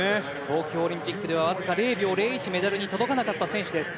東京オリンピックではわずか０秒０１でメダルに届かなかった選手です。